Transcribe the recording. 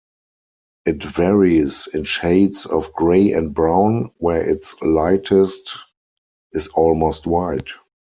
It varies in shades of grey and brown, where its lightest is almost white.